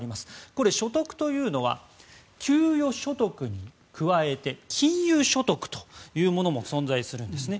これ、所得というのは給与所得に加えて金融所得というものも存在するんですね。